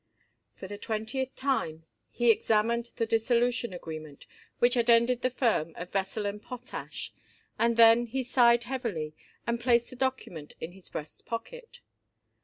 For the twentieth time he examined the dissolution agreement which had ended the firm of Vesell & Potash, and then he sighed heavily and placed the document in his breast pocket.